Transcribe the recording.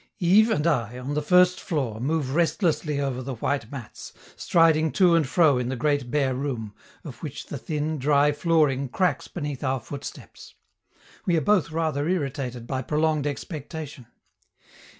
Yves and I, on the first floor, move restlessly over the white mats, striding to and fro in the great bare room, of which the thin, dry flooring cracks beneath our footsteps; we are both rather irritated by prolonged expectation.